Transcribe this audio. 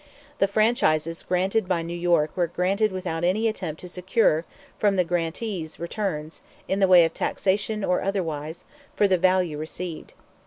The franchises granted by New York were granted without any attempt to secure from the grantees returns, in the way of taxation or otherwise, for the value received.